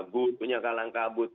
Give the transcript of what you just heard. gu punya kalangkabut